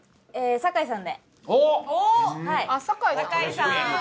酒井さん？